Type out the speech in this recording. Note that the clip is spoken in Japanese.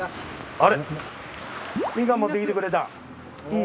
あれみかん持ってきてくれたん。